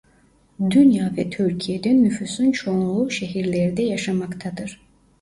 Dünya ve Türkiye'de nüfusun çoğunluğu şehirlerde yaşamaktadır.